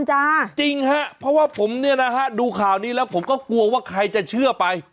จริงฮะเพราะว่าผมเนี่ยนะฮะดูข่าวนี้แล้วผมก็กลัวว่าใครจะเชื่อไป